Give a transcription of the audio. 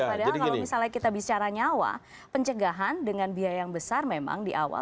padahal kalau misalnya kita bicara nyawa pencegahan dengan biaya yang besar memang di awal